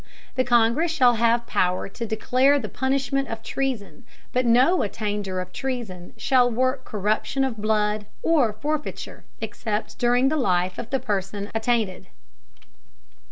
The Congress shall have Power to declare the Punishment of Treason, but no Attainder of Treason shall work Corruption of Blood, or Forfeiture except during the Life of the Person attainted.